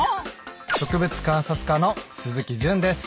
植物観察家の鈴木純です。